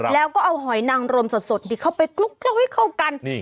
แล้วก็เอาหอยนางรมสดนี่เข้าไปกลุ๊กให้เข้ากัน